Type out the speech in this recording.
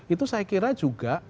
itu saya kira juga